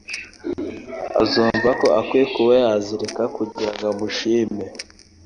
azumva ko akwiye kuba yazireka kugirango umushime.